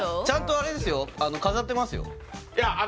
ちゃんとあれですよいや